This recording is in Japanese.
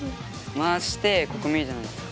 回してここ見るじゃないですか。